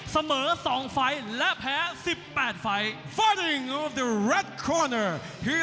เสมอ๒ไฟล์และแพ้๑๘ไฟล์